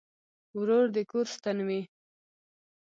ورور د کور ستن وي.